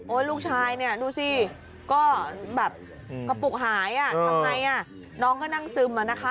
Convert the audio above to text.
ลูกชายเนี่ยดูสิก็แบบกระปุกหายอ่ะทำไมน้องก็นั่งซึมอะนะคะ